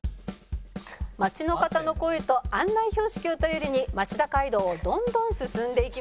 「街の方の声と案内標識を頼りに町田街道をどんどん進んでいきます」